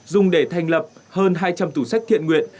dùng để thành lập hơn hai trăm linh tủ sách thiện nguyện